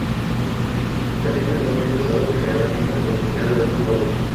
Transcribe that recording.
Este estadio es actualmente usado generalmente para partidos de fútbol.